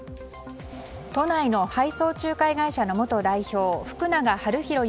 都内の配送仲介会社の元代表福永悠宏